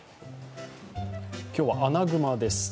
今日はアナグマです。